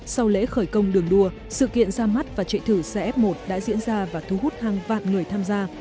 sau lễ khởi công đường đua sự kiện ra mắt và chạy thử xe f một đã diễn ra và thu hút hàng vạn người tham gia